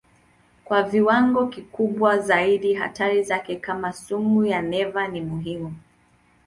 Kwa viwango kikubwa zaidi hatari zake kama sumu ya neva ni muhimu.